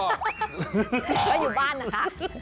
ก็อยู่บ้านนะคะ